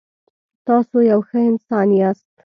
تاسو یو ښه انسان یاست.